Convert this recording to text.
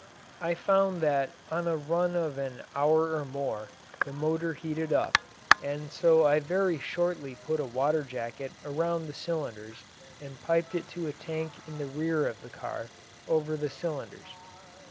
I found that on a run of an hour or more the motor heated up, and so I very shortly put a water jacket around the cylinders and piped it to a tank in the rear of the car over the cylinders.